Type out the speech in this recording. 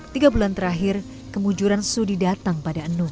tiga bulan terakhir kemujuran su didatang pada nung